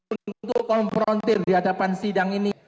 untuk konfrontir di hadapan sidang ini